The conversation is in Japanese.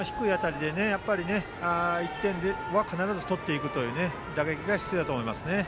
低い当たりで１点は必ず取っていくという打撃が必要だと思いますね。